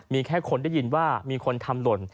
มีแค่คนได้ยินว่ามีคนทำหล่น